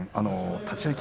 立ち合い霧